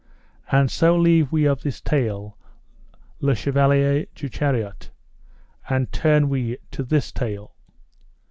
And so leave we of this tale le Chevaler du Chariot, and turn we to this tale.